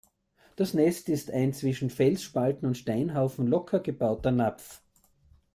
Das Nest ist ein zwischen Felsspalten oder Steinhaufen locker gebauter Napf.